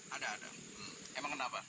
ada ada emang kenapa